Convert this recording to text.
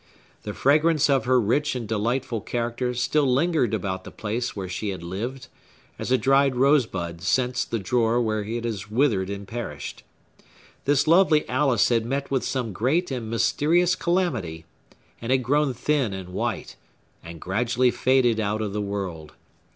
The fragrance of her rich and delightful character still lingered about the place where she had lived, as a dried rose bud scents the drawer where it has withered and perished. This lovely Alice had met with some great and mysterious calamity, and had grown thin and white, and gradually faded out of the world.